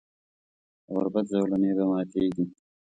د غربت زولنې به ماتیږي.